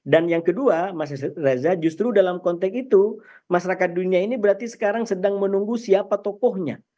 dan yang kedua mas reza justru dalam konteks itu masyarakat dunia ini berarti sekarang sedang menunggu siapa tokohnya